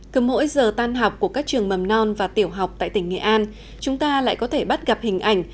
cứ mỗi giờ tan học của các trường mầm non và tiểu học tại tỉnh nghệ an chúng ta lại có thể bắt gặp hình ảnh